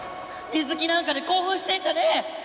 水着なんかで興奮してんじゃねぇ！